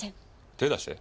手出して。